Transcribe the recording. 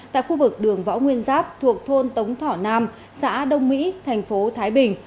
tại khu vực đường võ nguyên giáp thuộc thôn tống thỏ nam xã đông mỹ tp thái bình